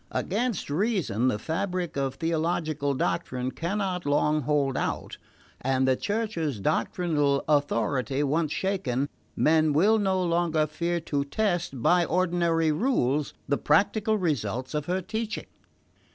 Against reason the fabric of theological doctrine cannot long hold out, and the Church's doctrinal authority once shaken, men will no longer fear to test by ordinary rules the practical results of her teaching.